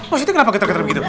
pasti kenapa ketar ketar begitu